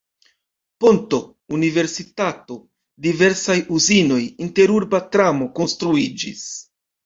Ponto, universitato, diversaj uzinoj, interurba tramo konstruiĝis.